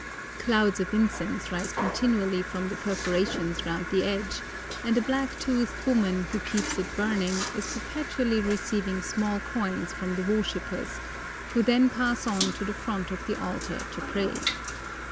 Clouds of incense rise continually from the perforations round the edge, and a black toothed woman who keeps it burning is perpetually receiving small coins from the worshippers, who then pass on to the front of the altar to pray.